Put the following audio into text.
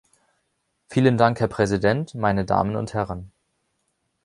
Vielen Dank, Herr Präsident, meine Damen und Herren.